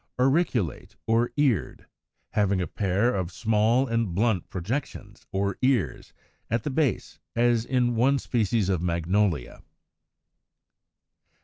Auriculate, or Eared, having a pair of small and blunt projections, or ears, at the base, as in one species of Magnolia (Fig.